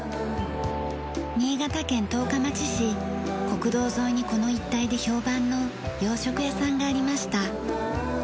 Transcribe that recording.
国道沿いにこの一帯で評判の洋食屋さんがありました。